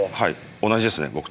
同じですね僕と。